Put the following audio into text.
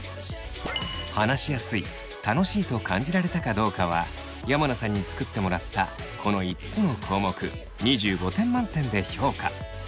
話しやすい楽しいと感じられたかどうかは山名さんに作ってもらったこの５つの項目２５点満点で評価。